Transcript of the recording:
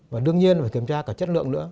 và đương nhiên phải kiểm tra cả chất lượng nữa